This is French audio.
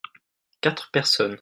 quatre personnes.